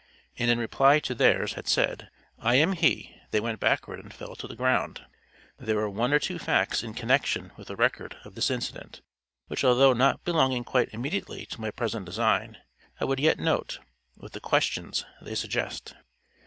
and in reply to theirs, had said "I am he, they went backward and fell to the ground." There are one or two facts in connection with the record of this incident, which although not belonging quite immediately to my present design, I would yet note, with the questions they suggest.